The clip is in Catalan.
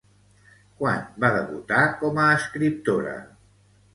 Quan va debutar com a escriptora?